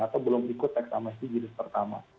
atau belum ikut tax amnesty jenis pertama